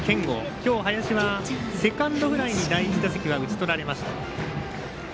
今日、林はセカンドフライに第１打席は打ち取られました。